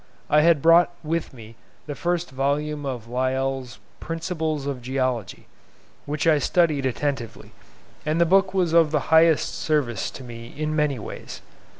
I had brought with me the first volume of Lyell's 'Principles of Geology,' which I studied attentively; and the book was of the highest service to me in many ways.